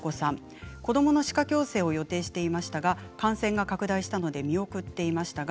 子どもの歯科矯正を予定していましたが感染が拡大したので見送っていました。